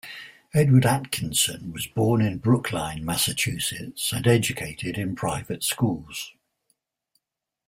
Edward Atkinson was born in Brookline, Massachusetts and educated in private schools.